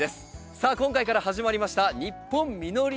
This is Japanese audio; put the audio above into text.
さあ今回から始まりました「ニッポン実りのわざ」。